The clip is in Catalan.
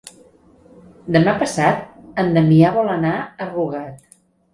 Demà passat en Damià vol anar a Rugat.